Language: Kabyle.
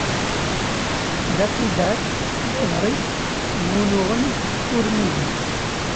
Daffy Duck d abṛik n wunuɣen urmiden.